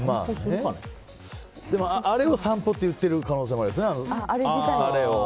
でも、あれを散歩って言ってる可能性もありますよね。